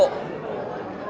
phát triển mạnh mẽ